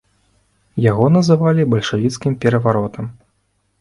Яго называлі бальшавіцкім пераваротам.